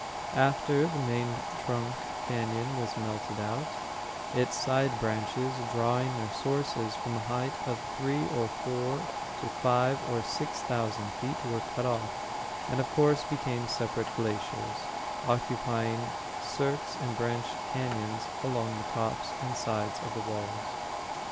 After the main trunk cañon was melted out, its side branches, drawing their sources from a height of three or four to five or six thousand feet, were cut off, and of course became separate glaciers, occupying cirques and branch cañons along the tops and sides of the walls.